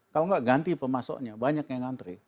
kalau nggak ganti pemasoknya banyak yang ngantri